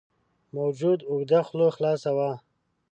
موجود اوږده خوله خلاصه وه.